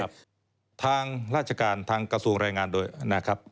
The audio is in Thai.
ทางราชการทางกระทรวงรายงานโดยนะครับ